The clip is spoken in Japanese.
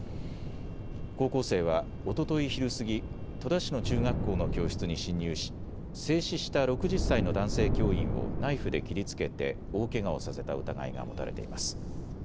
高校生はおととい昼過ぎ、戸田市の中学校の教室に侵入し制止した６０歳の男性教員をナイフで切りつけて大けがをさせた疑いが持たれています。